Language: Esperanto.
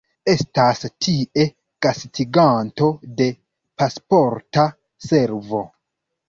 Estas tie gastiganto de Pasporta Servo.